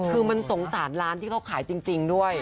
คือมันสงสารร้านที่เขาขายจริงด้วย